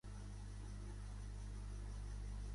Udoli en recordar l'ex president brasiler.